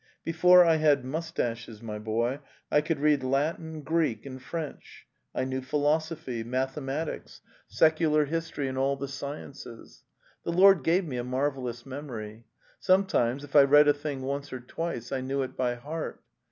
Before I had moustaches, my boy, I could read Latin, Greek, and French; I knew philosophy, mathematics, secular 174 The Tales of Chekhov history, and all the sciences. The Lord gave me a marvellous memory. Sometimes, if I read a thing once or twice, I knew it by heart.